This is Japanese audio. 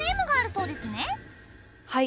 はい。